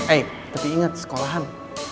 eh tapi inget sekolahan